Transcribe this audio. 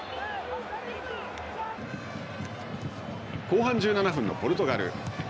後半１７分のポルトガル。